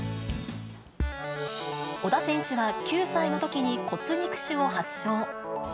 小田選手は９歳のときに骨肉腫を発症。